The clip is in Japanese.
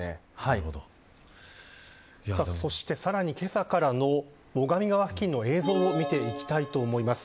そして、さらにけさからの最上川付近の映像を見ていきたいと思います。